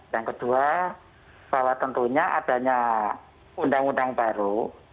yang kedua bahwa tentunya adanya undang undang baru